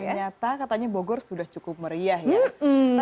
ternyata katanya bogor sudah cukup meriah ya